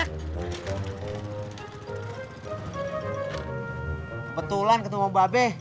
kebetulan ketemu mbak be